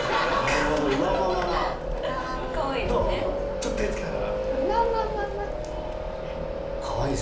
ちょっと手付けながら。